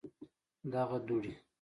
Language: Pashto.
دغه دوړي